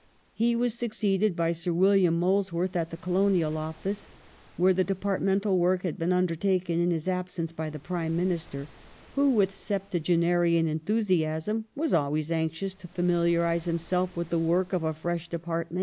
He was succeeded by Sir William Molesworth at the Colonial Office, where the departmental work had been undertaken in his absence by the Prime Minister, who with septuagenarian enthusiasm was always anxious to familiar ize himself with the work of a fresh department.